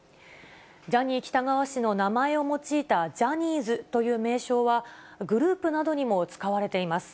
ジャニー喜多川氏の名前を用いたジャニーズという名称は、グループなどにも使われています。